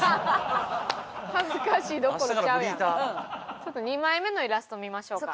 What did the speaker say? ちょっと２枚目のイラスト見ましょうか。